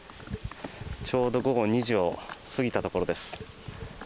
ちょうど午後２時を過ぎたところです。